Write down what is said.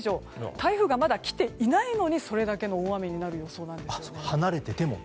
台風がまだ来ていないのにそれだけの大雨になる予想なんです。